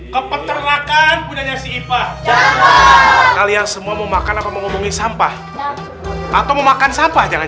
kepenerakan punya si ipah kalian semua mau makan apa ngomongin sampah atau mau makan sampah jangan